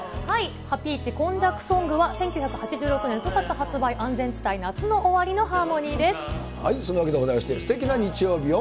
ハピイチ今昔ソングは１９８６年９月発売、安全地帯、そんなわけでございまして、すてきな日曜日を。